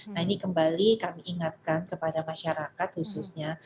nah ini kembali kami ingatkan kepada masyarakat khususnya